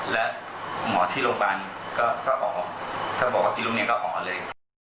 และหมอที่โรงพยาบาลก็ออกถ้าบอกว่ากินตรงนี้ก็อ๋อเลย